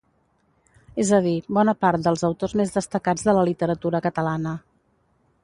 És a dir, bona part dels autors més destacats de la literatura catalana.